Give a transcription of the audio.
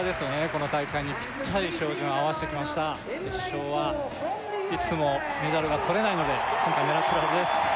この大会にピッタリ照準を合わせてきました決勝はいつもメダルがとれないので今回狙ってるはずです